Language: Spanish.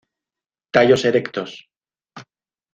Tallos erectos.